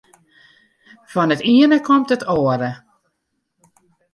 Fan it iene komt it oare.